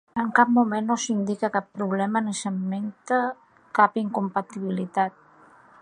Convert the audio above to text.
En cap moment no s’indica cap problema ni s’esmenta cap incompatibilitat.